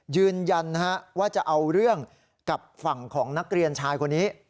ยืนยันว่าจะเอาเรื่องกับฝั่งของนักเรียนชายคนนี้